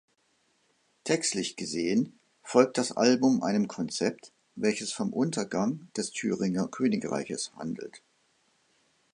Textlich gesehen folgt das Album einem Konzept, welches vom Untergang des Thüringer Königreiches handelt.